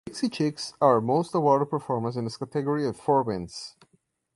The Dixie Chicks are the most awarded performers in this category with four wins.